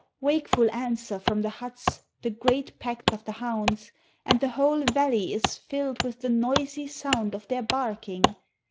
Wakeful answer from the huts the great pack of the hounds, And the whole valley is filled with the noisy sound of their barking.